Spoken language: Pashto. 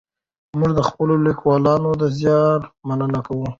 موږ د خپلو لیکوالو د زیار مننه کوو.